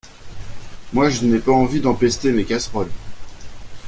Moi, je n’ai pas envie d’empester mes casseroles…